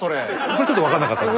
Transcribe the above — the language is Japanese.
これちょっと分かんなかった。